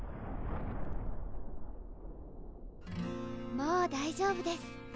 もう大丈夫です